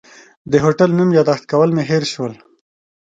د هوټل نوم یاداښت کول مې هېر شول.